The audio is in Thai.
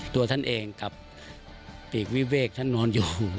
ตัวท่านเองกับปีกวิเวกท่านนอนอยู่